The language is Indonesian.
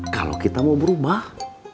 kalau kita mau berubah